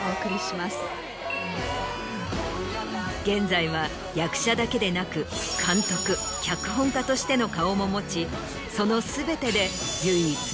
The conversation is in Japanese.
現在は役者だけでなく監督脚本家としての顔も持ちその。